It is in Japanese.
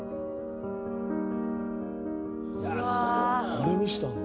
「これ見せたの？